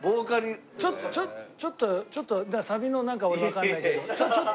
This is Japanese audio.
ちょっとちょっとサビのなんか俺わかんないけどちょっとやる？